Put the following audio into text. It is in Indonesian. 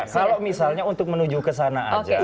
kalau misalnya untuk menuju ke sana aja